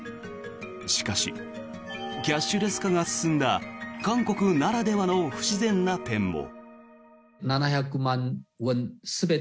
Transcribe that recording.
しかしキャッシュレス化が進んだ韓国ならではの不自然な点も。